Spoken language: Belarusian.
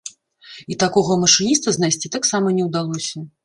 І такога машыніста знайсці таксама не ўдалося.